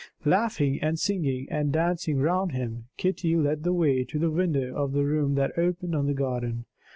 Laughing and singing and dancing round him, Kitty led the way to the window of the room that opened on the garden.